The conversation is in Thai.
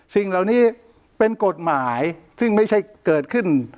สิ่งเหล่านี้เป็นกฎหมายซึ่งไม่ใช่เกิดขึ้น